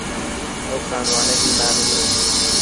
ئەو خانووانە هیی مامی منن.